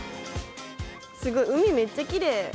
すごい、海、めっちゃきれい。